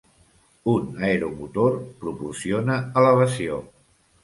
Un aeromotor proporciona elevació